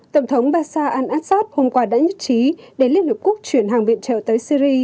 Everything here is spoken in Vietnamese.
tổng thống basar al assad hôm qua đã nhất trí để liên hợp quốc chuyển hàng viện trợ tới syri